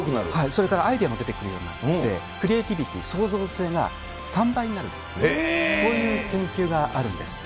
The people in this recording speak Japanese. それからアイデアも出てくるようになって、クリエイティビティー、創造性が３倍になるっていう、こういう研究があるんです。